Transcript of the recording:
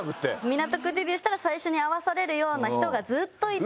港区デビューしたら最初に会わされるような人がずっといて。